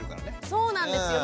そうなんですよ。